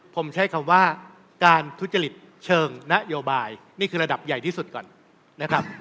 ผมใช้คำว่าการทุจริตเชิงนโยบายนี่คือระดับใหญ่ที่สุดก่อนนะครับ